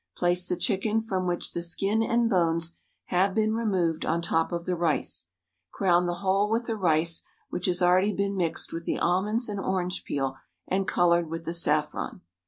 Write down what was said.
Place the chicken from which the skin and bones have been removed on top of the rice. Crown the whole with the rice, which has already been mixed with the almonds and orange peel and colored with the saffron.